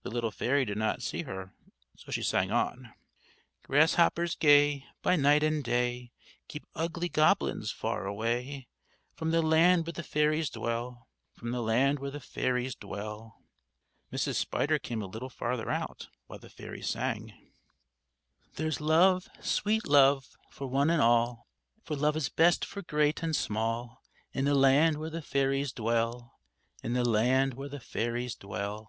The little fairy did not see her, so she sang on: "_Grasshoppers gay, by night and day, Keep ugly goblins far away From the land where the fairies dwell, From the land where the fairies dwell_." Mrs. Spider came a little farther out, while the fairy sang: "_There's love, sweet love, for one and all For love is best for great and small In the land where the fairies dwell, In the land where the fairies dwell_."